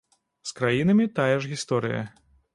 З краінамі тая ж гісторыя.